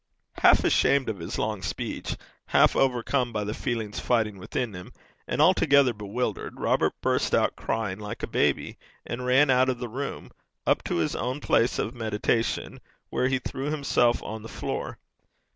Half ashamed of his long speech, half overcome by the feelings fighting within him, and altogether bewildered, Robert burst out crying like a baby, and ran out of the room up to his own place of meditation, where he threw himself on the floor.